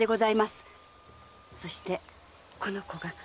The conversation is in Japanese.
そしてこの子が。